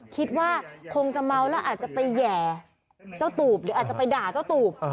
คิดว่าคงจะเมาแล้วอาจจะไปแห่เจ้าตูบหรืออาจจะไปด่าเจ้าตูบ